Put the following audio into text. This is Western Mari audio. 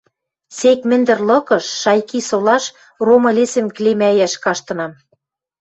сек мӹндӹр лыкыш, Шайки солаш, ромы лесӹм клемӓйӓш каштынам.